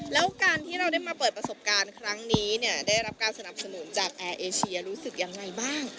แล้วการที่เราได้มาเปิดประสบการณ์ครั้งนี้เนี่ยได้รับการสนับสนุนจากแอร์เอเชียรู้สึกยังไงบ้าง